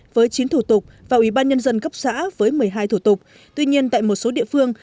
với chín thủ tục và ủy ban nhân dân cấp xã với một mươi hai thủ tục tuy nhiên tại một số địa phương